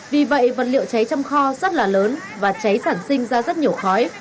vì vậy vật liệu cháy trong kho rất là lớn và cháy sản sinh ra rất nhiều khói